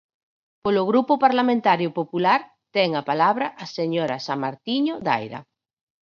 Polo Grupo Parlamentario Popular, ten a palabra a señora Samartiño Daira.